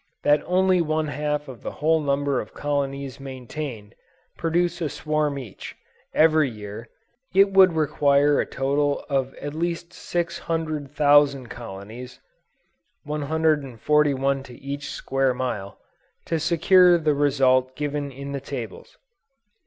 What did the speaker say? that only one half of the whole number of colonies maintained, produce a swarm each, every year, it would require a total of at least 600,000 colonies, (141, to each square mile,) to secure the result given in the tables.